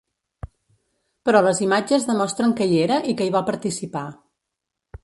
Però les imatges demostren que hi era i que hi va participar.